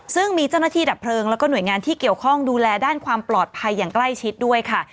ซึ่งมีเจ้าหน้าที่ดับเพลิงแล้วก็หน่วยงานที่เกี่ยวข้องดูแลด้านความปลอดภัยอย่างใกล้ชิดด้วยค่ะ